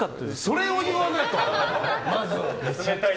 それを言わないと、まず。